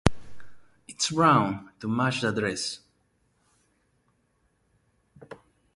It’s brown, to match the dress.